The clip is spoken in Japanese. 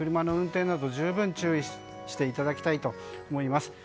ですから、車の運転など十分注意していただきたいと思います。